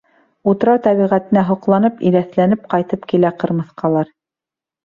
Утрау тәбиғәтенә һоҡланып, иләҫләнеп ҡайтып килә ҡырмыҫҡалар.